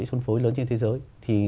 phân phối lớn trên thế giới